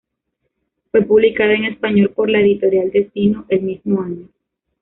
Fue publicada en español por la editorial Destino el mismo año.